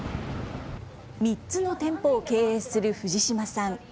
３つの店舗を経営する藤嶋さん。